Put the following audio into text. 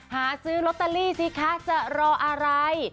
หาซื้อลอตเตอรี่สิคะจะรออะไร